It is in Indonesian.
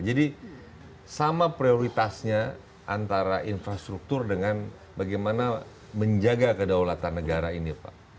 jadi sama prioritasnya antara infrastruktur dengan bagaimana menjaga kedaulatan negara ini pak